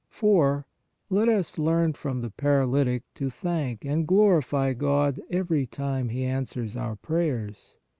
4. Let us learn from the paralytic to thank and glorify God every time He answers our prayers.